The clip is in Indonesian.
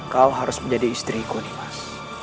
kau harus menjadi istriku nimas